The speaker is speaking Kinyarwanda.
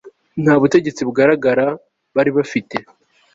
nta butegetsi bugaragara bari bafite